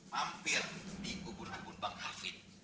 hampir di gugur gugur bang hafid